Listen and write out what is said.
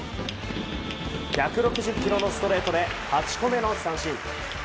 １６０キロのストレートで８個目の三振。